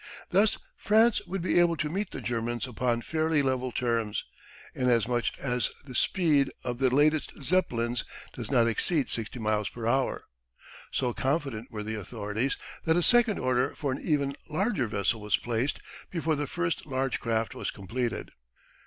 Thus France would be able to meet the Germans upon fairly level terms, inasmuch as the speed of the latest Zeppelins does not exceed 60 miles per hour. So confident were the authorities that a second order for an even larger vessel was placed before the first large craft was completed.